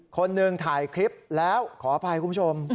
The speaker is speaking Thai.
คนหนึ่งถ่ายคลิปแล้วขออภัยคุณผู้ชม